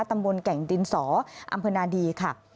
ตำบลแก่งดินสอนดีค่ะ